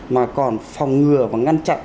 mà còn phòng ngừa và ngăn chặn